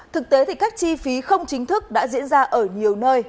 thực tế thì các chi phí không chính thức đã diễn ra ở nhiều nơi